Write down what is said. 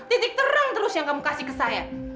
titik terang terus yang kamu kasih ke saya